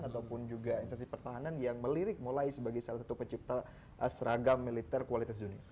ataupun juga instansi pertahanan yang melirik mulai sebagai salah satu pencipta seragam militer kualitas dunia